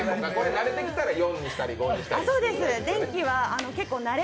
慣れてきたら４にしたり５にしたり。